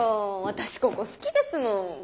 私ここ好きですもん。